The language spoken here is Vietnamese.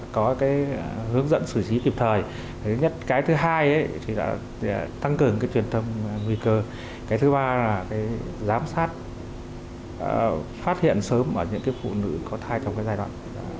có cái hướng dẫn xử trí kịp thời thứ nhất cái thứ hai thì đã tăng cường cái truyền thông nguy cơ cái thứ ba là cái giám sát phát hiện sớm ở những phụ nữ có thai trong cái giai đoạn